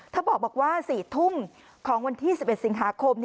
บอกว่า๔ทุ่มของวันที่๑๑สิงหาคม